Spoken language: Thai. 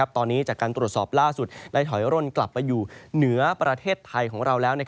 ตอนนี้จากการตรวจสอบล่าสุดได้ถอยร่นกลับไปอยู่เหนือประเทศไทยของเราแล้ว